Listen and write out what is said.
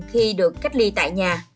khi được cách ly tại nhà